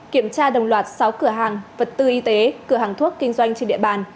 kiểm tra đồng loạt sáu cửa hàng vật tư y tế cửa hàng thuốc kinh doanh trên địa bàn